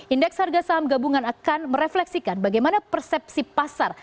indeks harga saham gabungan akan merefleksikan bagaimana persepsi pasar